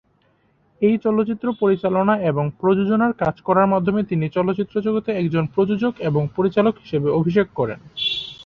এই চলচ্চিত্র পরিচালনা এবং প্রযোজনার কাজ করার মাধ্যমে তিনি চলচ্চিত্র জগতে একজন প্রযোজক এবং পরিচালক হিসেবে অভিষেক করেন।